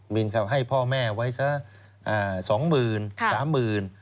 มิ้นครับให้พ่อแม่ไว้สักสองหมื่นสามหมื่น